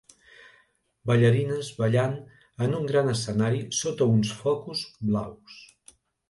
Ballarines ballant en un gran escenari sota uns focus blaus.